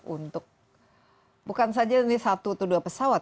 untuk bukan saja ini satu atau dua pesawat